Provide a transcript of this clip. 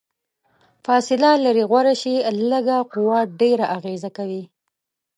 فاصله لرې غوره شي، لږه قوه ډیره اغیزه کوي.